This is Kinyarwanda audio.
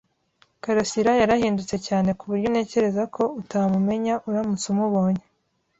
karasira yarahindutse cyane kuburyo ntekereza ko utamumenya uramutse umubonye.